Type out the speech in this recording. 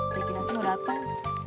rekinasi mau datang